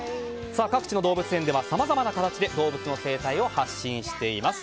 各地の動物園ではさまざまな形で動物の生態を発信しています。